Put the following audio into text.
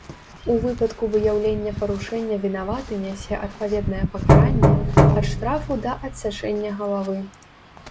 У выпадку выяўлення парушэння вінаваты нясе адпаведнае пакаранне, ад штрафу да адсячэння галавы.